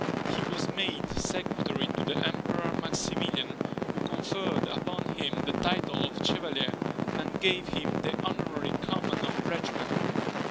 He was made secretary to the Emperor Maximilian, who conferred upon him the title of chevalier, and gave him the honorary command of a regiment.